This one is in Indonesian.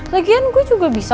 lagian gue juga bisa